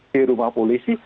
di rumah polisi